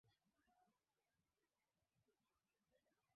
Jacob hakuwa amepewa majina na mawasiliano ya wengine